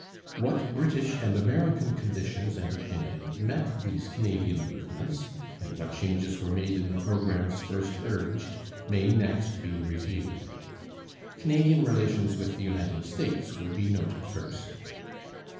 What British and American conditions and opinion met these Canadian movements, and what changes were made in the programmes first urged, may next be reviewed. Canadian relations with the United States will be noted first.